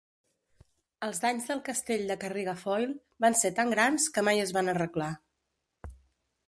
Els danys del castell de Carrigafoyle van ser tan grans que mai es van arreglar.